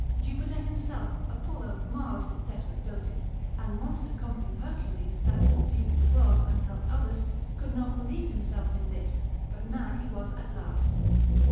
Jupiter himself, Apollo, Mars, &c. doted; and monster conquering Hercules that subdued the world, and helped others, could not relieve himself in this, but mad he was at last.